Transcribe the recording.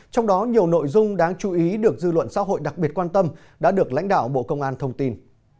trong đó nhiều nội dung đáng chú ý được dư luận xã hội đặc biệt quan tâm đã được lãnh đạo bộ công an thông tin